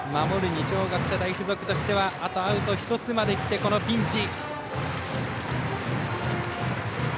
二松学舎大付属としてはあとアウト１つまできてこのピンチ。